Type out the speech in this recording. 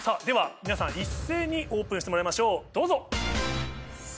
では皆さん一斉にオープンしてもらいましょうどうぞ。